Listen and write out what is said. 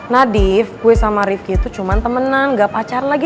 nadif gue sama rivki itu cuma temenan nggak pacar lagi